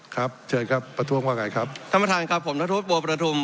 ครับเชิญครับประท้วงว่าไงครับท่านประธานครับผมนัทธวุฒิบัวประทุม